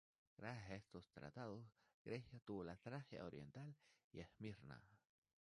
Gracias a estos tratados, Grecia obtuvo la Tracia Oriental y Esmirna.